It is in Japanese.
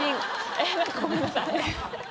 えっ？ごめんなさい。